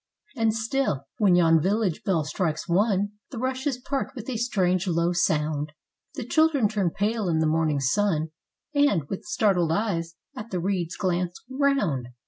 " And still, when yon village bell strikes one, The rushes part with a strange, low sound;" — The children turn pale in the morning sun, And, with startled eyes, at the reeds glance round.